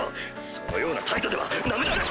そのような態度ではナメられ。